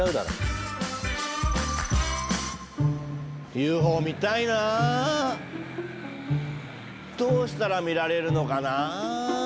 ＵＦＯ見たいなぁどうしたら見られるのかなぁ。